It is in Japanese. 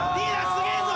すげえぞ！